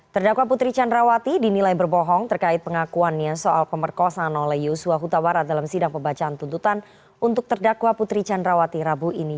terdakwa putri candrawati dinilai berbohong terkait pengakuannya soal pemerkosaan oleh yusua huta barat dalam sidang pembacaan tuntutan untuk terdakwa putri candrawati rabu ini